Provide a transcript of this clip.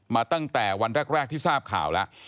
ตั้งแต่วันแรกที่ทราบข่าวแล้ว